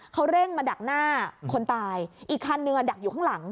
เขาเร่งมาดักหน้าคนตายอีกคันนึงอ่ะดักอยู่ข้างหลัง